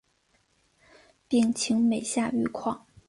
病情每下愈况